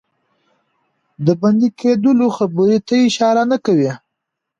د بندي کېدلو خبري ته اشاره نه کوي.